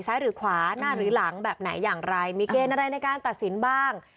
หรือขวาหน้าหรือหลังแบบไหนอย่างไรมีเกณฑ์อะไรในการตัดสินบ้าง